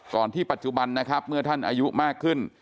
ที่ปัจจุบันนะครับเมื่อท่านอายุมากขึ้น